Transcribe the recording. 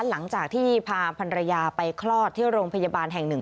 หลังจากที่พาพันรยาไปคลอดที่โรงพยาบาลแห่งหนึ่ง